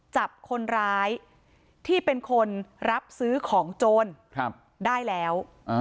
จับคนร้ายที่เป็นคนรับซื้อของโจรได้แล้ว